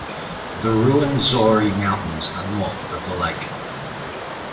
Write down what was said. The Ruwenzori Mountains are north of the lake.